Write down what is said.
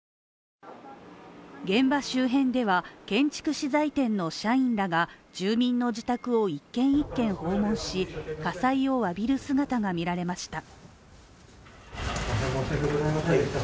現場周辺では、建築資材店の社員らが住民の自宅を１軒１軒訪問し、火災をわびる姿が見られました。